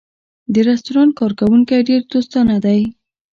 د رستورانت کارکوونکی ډېر دوستانه دی.